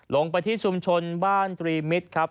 ลงไปที่ชุมชนบ้านตรีมิตรครับ